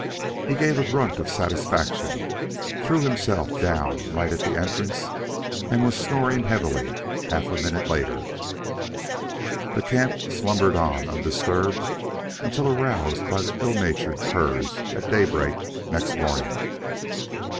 He gave a grunt of satisfaction, threw himself down right at the entrance and was snoring heavily half a minute later. The camp slumbered on undisturbed until aroused by the ill natured curs at daybreak next morning.